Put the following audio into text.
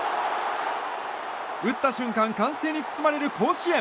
打った瞬間歓声に包まれる甲子園。